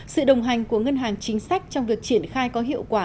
sự đồng hành của ngân hàng chính sách trong việc triển khai có hiệu quả